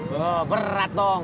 loh berat dong